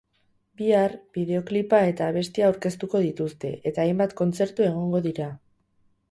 Bihar, bideoklipa eta abestia aurkeztuko dituzte, eta hainbat kontzertu egongo dira.